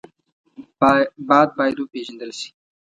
باد باید وپېژندل شي